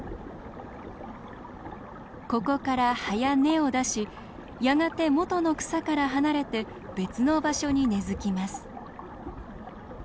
ここから葉や根を出しやがてもとの草から離れて別の場所に根づきます。